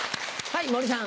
はい。